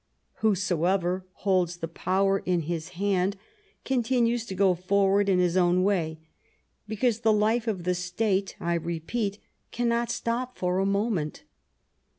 Whosoever holds the power in his hand continues to go forward in his own way ; because the life of the State, I repeat, cannot stop for a moment.